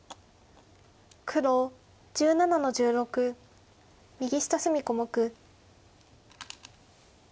黒１７の十六右下隅小目。